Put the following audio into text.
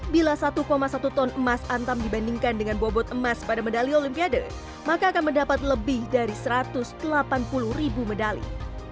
bila satu satu ton emas antam dibandingkan dengan bobot emas pada medali olimpiade maka akan mendapat lebih dari satu ratus delapan puluh ribu medali